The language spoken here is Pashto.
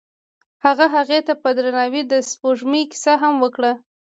هغه هغې ته په درناوي د سپوږمۍ کیسه هم وکړه.